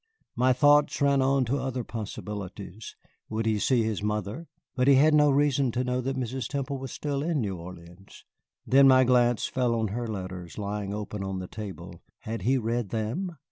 My thoughts ran on to other possibilities; would he see his mother? But he had no reason to know that Mrs. Temple was still in New Orleans. Then my glance fell on her letters, lying open on the table. Had he read them?